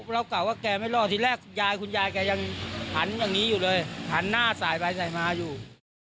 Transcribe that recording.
เราเกลาว่าแกไม่รอที่แรกคุณยายแห่งหันให้อยู่เลยหันหน้าสายไปสายมาอยู่